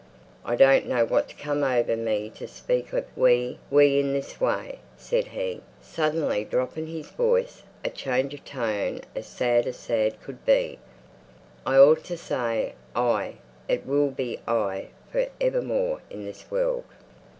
I don't know what's come over me to speak of 'we' 'we' in this way," said he, suddenly dropping his voice, a change of tone as sad as sad could be. "I ought to say 'I;' it will be 'I' for evermore in this world."